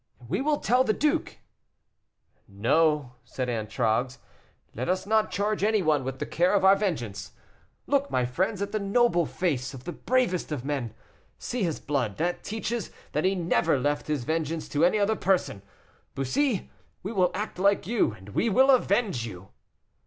"We will tell the duke." "No," said Antragues, "let us not charge any one with the care of our vengeance. Look, my friends, at the noble face of the bravest of men; see his blood, that teaches that he never left his vengeance to any other person. Bussy! we will act like you, and we will avenge you."